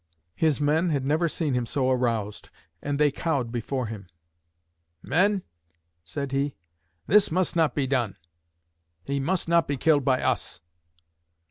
His men had never seen him so aroused, and they cowed before him. "Men," said he, "this must not be done! He must not be killed by us!"